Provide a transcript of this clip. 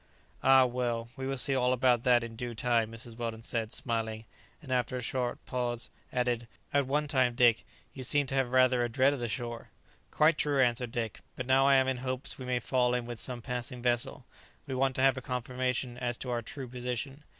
"Ah, well; we will see all about that in due time." Mrs. Weldon said, smiling; and, after a short pause, added, "At one time, Dick, you seemed to have rather a dread of the shore." "Quite true," answered Dick; "but now I am in hopes we may fall in with some passing vessel; we want to have a confirmation as to our true position.